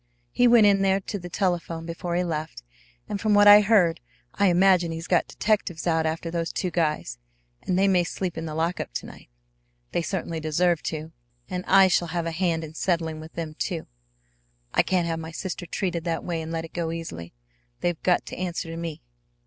He went in there to the telephone before he left, and from what I heard I imagine he's got detectives out after those two guys, and they may sleep in the lockup to night. They certainly deserve to. And I shall have a hand in settling with them, too. I can't have my sister treated that way and let it go easily. They've got to answer to me.